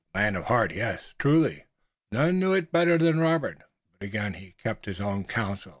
A man of heart! Yes, truly! None knew it better than Robert, but again he kept his own counsel.